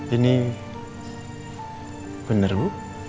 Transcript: ini bener bu